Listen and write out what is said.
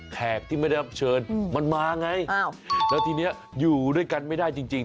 แขกที่ไม่ได้รับเชิญมันมาไงอ้าวแล้วทีนี้อยู่ด้วยกันไม่ได้จริง